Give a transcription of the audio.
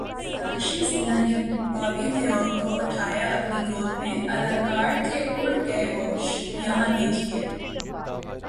سوناکشی سنہا نے بابی دیول کو اٹھایا اپنی گود میں اداکار کے اڑ گئے ہوش، یہاں دیکھئے